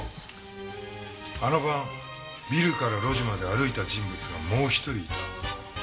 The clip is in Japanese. あの晩ビルから路地まで歩いた人物がもう１人いた。